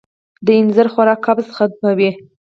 د اینځر خوراک قبض ختموي.